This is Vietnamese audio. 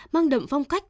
mang đậm phong cách